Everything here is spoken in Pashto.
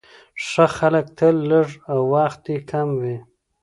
ښه خلک تل لږ او وخت يې کم وي،